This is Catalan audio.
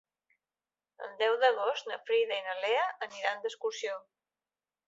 El deu d'agost na Frida i na Lea aniran d'excursió.